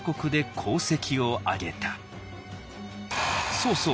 「そうそう。